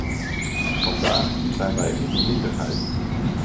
Vandaag zijn wij in de minderheid.